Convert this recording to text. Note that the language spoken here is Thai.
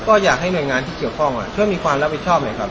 ก็อยากให้หน่วยงานที่เกี่ยวข้องช่วยมีความรับผิดชอบหน่อยครับ